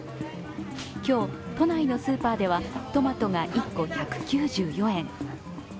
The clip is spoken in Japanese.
今日、都内のスーパーではトマトが１個１９４円。